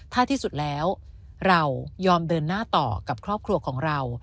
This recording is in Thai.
ถ้าที่สุดแล้วเรายอมเดินหน้าต่อกับครอบครัวของเรา